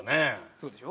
そうでしょ？